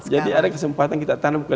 jadi ada kesempatan kita tanam